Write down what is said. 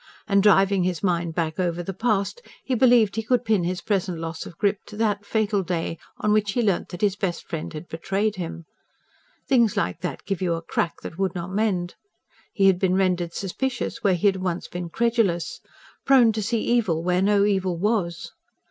And driving his mind back over the past, he believed he could pin his present loss of grip to that fatal day on which he learnt that his best friend had betrayed him. Things like that gave you a crack that would not mend. He had been rendered suspicious where he had once been credulous; prone to see evil where no evil was.